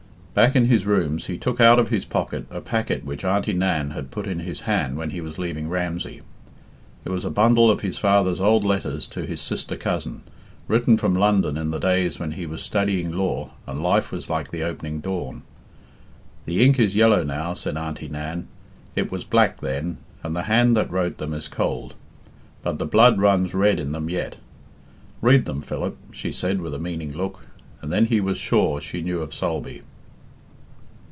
Back in his rooms, he took out of his pocket a packet which Auntie Nan had put in his hand when he was leaving Ramsey. It was a bundle of his father's old letters to his sister cousin, written from London in the days when he was studying law and life was like the opening dawn. "The ink is yellow now," said Auntie Nan; "it was black then, and the hand that wrote them is cold. But the blood runs red in them yet. Read them, Philip," she said with a meaning look, and then he was sure she knew of Sulby.